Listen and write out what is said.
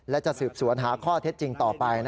และจะสืบสวนหาข้อเท็จจริงต่อไป